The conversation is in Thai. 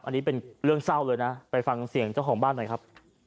อันนี้เป็นเรื่องเศร้าเลยนะไปฟังเสียงเจ้าของบ้านหน่อยครับ